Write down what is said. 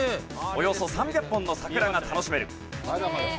およそ３００本の桜が楽しめる。